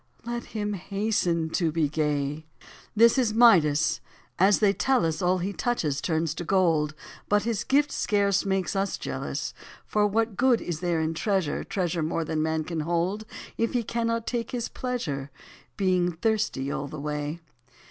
Let him hasten to be gay. This is Midas : as they tell us, All he touches turns to gold, But his gift scarce makes us jealous ; For what good is there in treasure. Treasure more than man can hold. If he cannot take his pleasure, Being thirsty all the way